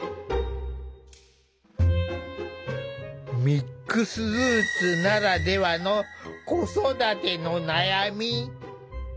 ミックスルーツならではの子育ての悩み。